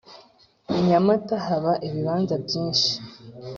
Inyamata haba ibibanza byishi